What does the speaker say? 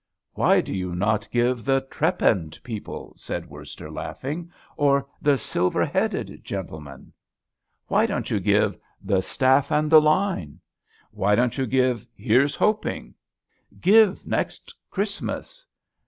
"Why do you not give 'The trepanned people'?" said Worster, laughing, "or 'The silver headed gentlemen'?" "Why don't you give 'The Staff and the Line'?" "Why don't you give 'Here's Hoping'?" "Give 'Next Christmas.'"